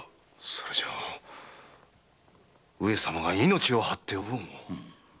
それじゃあ上様が命を張っておぶんを。